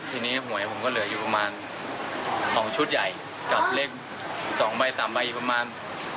ทีนี้หวยผมก็เหลืออยู่ประมาณของชุดใหญ่กับเลขสองใบสามใบอยู่ประมาณ